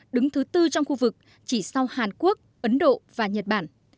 đứng thứ tư trong khu vực chỉ sau hàn quốc ấn độ và nhật bản